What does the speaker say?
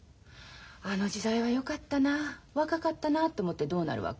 あの時代はよかったな若かったなって思ってどうなるわけ？